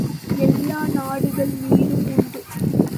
எல்லா நாடுகள் மீதும் உண்டு.